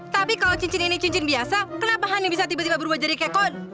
tapi kalo cincin ini cincin biasa kenapa honey bisa tiba tiba berubah jadi kekot